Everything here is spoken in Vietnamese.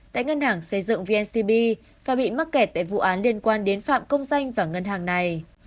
tại ngân hàng xây dựng vncb và bị mắc kẹt tại vụ án liên quan đến phạm công danh và ngân hàng này